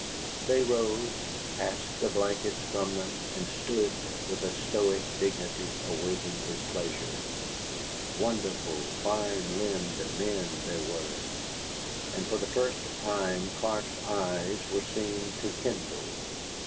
They rose, cast the blankets from them, and stood with a stoic dignity awaiting his pleasure. Wonderful, fine limbed men they were, and for the first time Clark's eyes were seen to kindle.